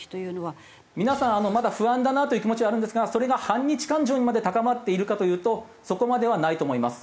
皆さんまだ不安だなという気持ちはあるんですがそれが反日感情にまで高まっているかというとそこまではないと思います。